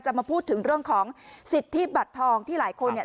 มาพูดถึงเรื่องของสิทธิบัตรทองที่หลายคนเนี่ย